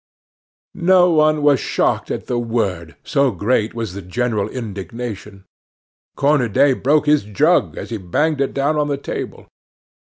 No one was shocked at the word, so great was the general indignation. Cornudet broke his jug as he banged it down on the table.